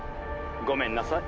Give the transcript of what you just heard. ごめんなさい。